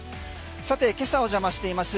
さて今朝お邪魔しています